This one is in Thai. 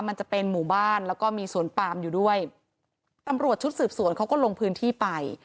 มันจะเป็นหมู่บ้านแล้วก็มีสวนปามอยู่ด้วยตำรวจชุดสืบสวนเขาก็ลงพื้นที่ไป